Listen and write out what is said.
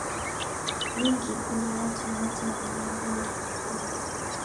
nyingi kuna watu hata wenye rangi nyekundu na